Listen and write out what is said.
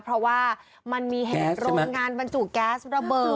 เพราะว่ามันมีเหตุโรงงานบรรจุแก๊สระเบิด